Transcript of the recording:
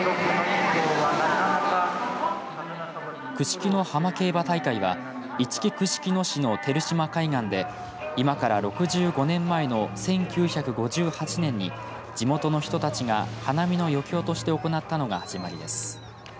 串木野浜競馬大会はいちき串木野市の照島海岸で今から６５年前の１９５８年に地元の人たちが花見の余興として行ったのが始まりです。